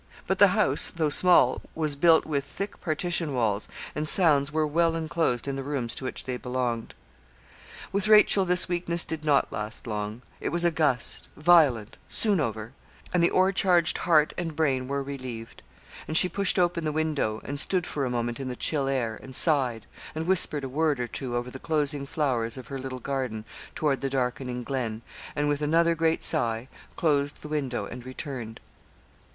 But the house, though small, was built with thick partition walls, and sounds were well enclosed in the rooms to which they belonged. With Rachel this weakness did not last long. It was a gust violent soon over; and the 'o'er charged' heart and brain were relieved. And she pushed open the window, and stood for a moment in the chill air, and sighed, and whispered a word or two over the closing flowers of her little garden toward the darkening glen, and with another great sigh closed the window, and returned.